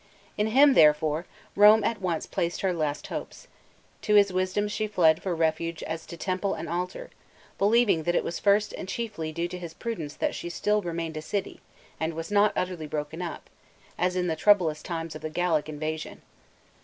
In him, therefere, Rome at once placed her last hopes ; to his wisdom she fled for refuge as to temple and altar, believing that it was first and chiefly due to his prudence that she still remained a city, and was not utterly broken up, as in the troublous times of the Gallic invasion.